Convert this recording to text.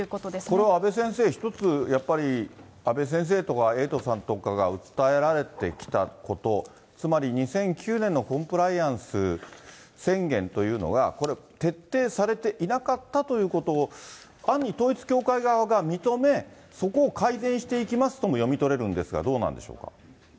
これは阿部先生、一つ、やっぱり阿部先生とか、エイトさんとかが訴えられてきたこと、つまり２００９年のコンプライアンス宣言というのが、これ、徹底されていなかったということを、暗に統一教会側が認め、そこを改善していきますとも読み取れるんですが、どうなんでしょうか。